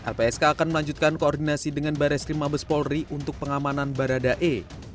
lpsk akan melanjutkan koordinasi dengan baris lima bespolri untuk pengamanan barada e